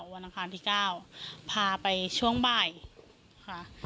อังคารที่๙พาไปช่วงบ่ายค่ะ